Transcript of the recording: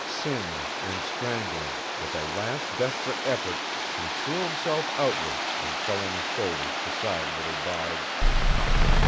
Singed and strangling, with a last desperate effort he threw himself outward and fell on his shoulders beside little Bige.